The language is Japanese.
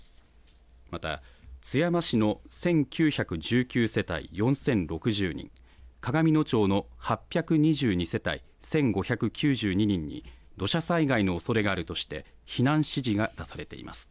また、津山市の１９１９世帯４０６０人、鏡野町の８２２世帯１５９２人に、土砂災害のおそれがあるとして、避難指示が出されています。